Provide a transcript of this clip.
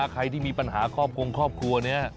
ใครที่มีปัญหาครอบกรงครอบครัวเนี่ย